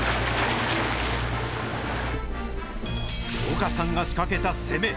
岡さんが仕掛けた攻め。